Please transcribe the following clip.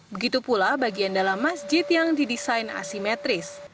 begitu pula bagian dalam masjid yang didesain asimetris